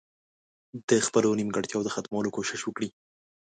د خپلو نيمګړتياوو د ختمولو کوشش وکړي.